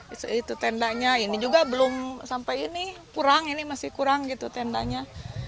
itu tendanya ini juga belum sampai ini kurang ini masih kurang gitu tendanya